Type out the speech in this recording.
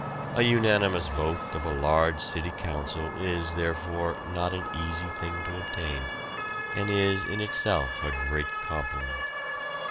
A unanimous vote of a large City Council is, therefore, not an easy thing to obtain, and is in itself a great compliment.